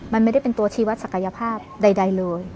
มันไม่ได้เป็นตัวชีวัตศักยภาพใดเลย